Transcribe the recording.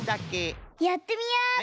やってみようっと。